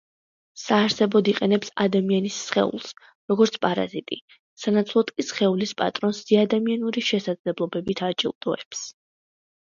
საარსებოდ იყენებს ადამიანის სხეულს, როგორც პარაზიტი, სანაცვლოდ კი სხეულის პატრონს ზეადამიანური შესაძლებლობებით აჯილდოებს.